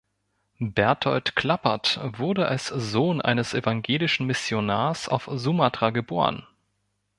Bertold Klappert wurde als Sohn eines evangelischen Missionars auf Sumatra geboren.